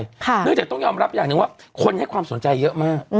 เนื่องจากต้องยอมรับอย่างหนึ่งว่าคนให้ความสนใจเยอะมาก